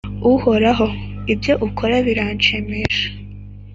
“uhoraho, ibyo ukora biranshimisha,